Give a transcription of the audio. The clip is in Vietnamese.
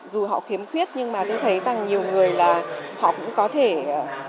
dù họ khiếm khuyết nhưng mà tôi thấy càng nhiều người là họ cũng có thể tự lập